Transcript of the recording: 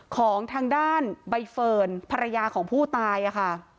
ของทางด้านใบเฟิร์นภรรยาของผู้ตายค่ะ